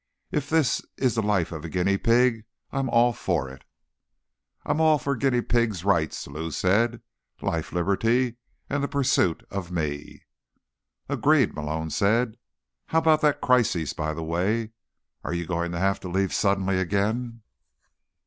"If this is the life of a guinea pig, I'm all for it." "I'm all for guinea pigs' rights," Lou said. "Life, Liberty and the Pursuit of Me." "Agreed," Malone said. "How about that crisis, by the way? Are you going to have to leave suddenly again?"